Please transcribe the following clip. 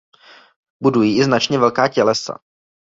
Budují i značně velká tělesa.